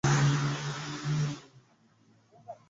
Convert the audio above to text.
Chamisa alisema chama chake hakitaki kupigana na watu